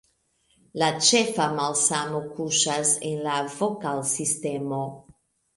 La ĉefa malsamo kuŝas en la vokalsistemo.